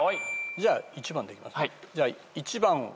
じゃあ１番お願いします。